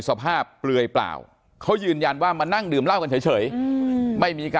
สภาพเปลวยเปล่าเขายืนยารว่ามานั่งดื่มราวกันเฉยไม่มี